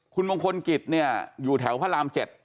คุณมงคลกิจเนี่ยอยู่แถวพระราม๗